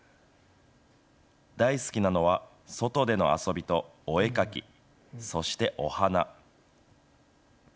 大好きなのは外での遊びとお絵描き、そしてお花。